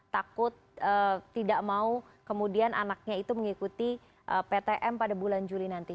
takut tidak mau kemudian anaknya itu mengikuti ptm pada bulan juli nanti